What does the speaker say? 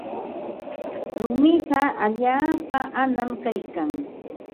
Rumiqa allaapa anam kaykan.